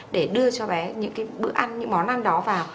để đưa cho bé những bữa ăn những món ăn đó vào